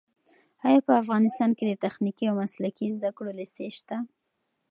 ایا په افغانستان کې د تخنیکي او مسلکي زده کړو لیسې شته؟